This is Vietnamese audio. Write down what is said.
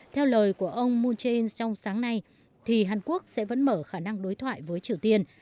theo lời của ông moon jae in trong sáng nay thì hàn quốc sẽ vẫn mở khả năng đối thoại với triều tiên